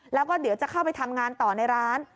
แล้วก็เดี๋ยวจะเข้าไปทำงานต่อในร้าน